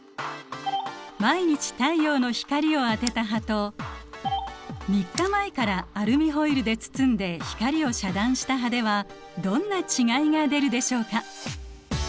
毎日太陽の光を当てた葉と３日前からアルミホイルで包んで光を遮断した葉ではどんな違いが出るでしょうか？